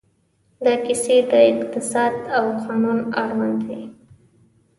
دا کیسې د اقتصاد او قانون اړوند وې.